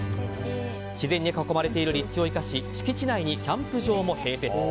自然に囲まれている立地を生かし敷地内にキャンプ場も併設。